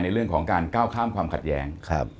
เรื่องของการก้าวข้ามความขัดแย้ง